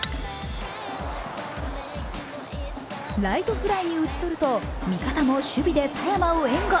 ライトフライに打ち取ると味方も守備で佐山を援護。